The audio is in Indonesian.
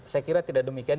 saya kira tidak demikian